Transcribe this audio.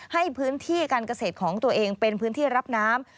ให้พื้นที่การเกษตรของตัวเองเป็นพื้นที่รับน้ำ